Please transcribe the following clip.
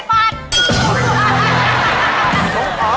กระเภาไข่ดาว